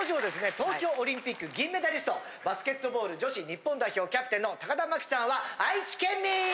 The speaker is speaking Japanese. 東京オリンピック銀メダリストバスケットボール女子日本代表キャプテンの田真希さんは愛知県民！